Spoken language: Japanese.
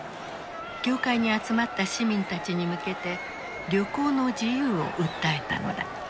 教会に集まった市民たちに向けて旅行の自由を訴えたのだ。